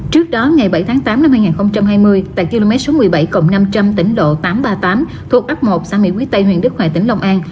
trước đó ngày bảy tháng tám năm hai nghìn hai mươi tại km số một mươi bảy năm trăm linh tỉnh lộ tám trăm ba mươi tám thuộc ấp một xã mỹ quý tây huyện đức hòa tỉnh long an